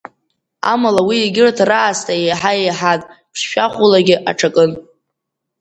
Амала уи егьырҭ раасҭа еиҳа еиҳан, ԥшшәахәылагьы аҽакын.